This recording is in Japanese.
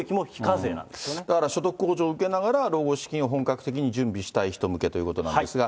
だから所得控除を受けながら、老後資金を本格的に準備したい人向けということなんですが。